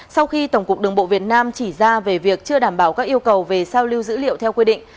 sau khi tổng cục đường bộ việt nam chỉ ra về việc chưa đảm bảo các yêu cầu về sao lưu dữ liệu theo quy định